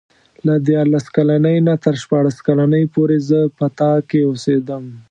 له دیارلس کلنۍ نه تر شپاړس کلنۍ پورې زه په تا کې اوسېدم.